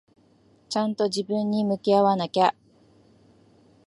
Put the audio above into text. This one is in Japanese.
ちゃんと自分に向き合わなきゃ。